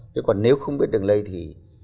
chứ còn nếu không biết đường lây thì